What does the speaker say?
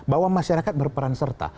bahwa masyarakat berperan serta